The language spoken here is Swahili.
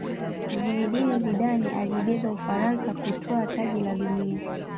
zinedine zidane aliibeba ufaransa kutwaa taji la dunia